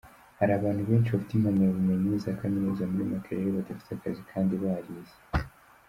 Hari abantu benshi bafite impamyabumenyi za kaminuza muri Makerere badafite akazi kandi barize.